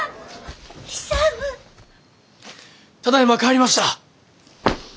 ただいま帰りました。